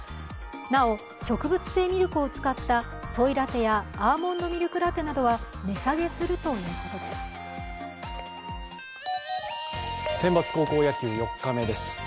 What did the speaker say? なお植物性ミルクを使ったソイラテやアーモンドミルクラテなどは値下げするということです。